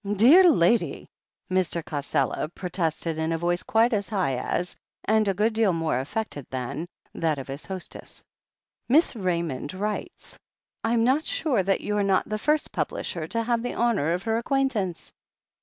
"Dear lady !" Mr. Cassela protested in a voice quite as high as, and a good deal more affected than, that of his hostess. "Miss Raymond writes. I'm not sure that you're not the first publisher to have the honour of her ac quaintance.